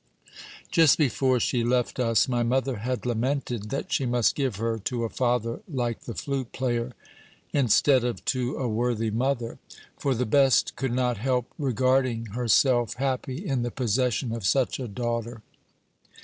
"Just before she left us, my mother had lamented that she must give her to a father like the flute player, instead of to a worthy mother; for the best could not help regarding herself happy in the possession of such a daughter.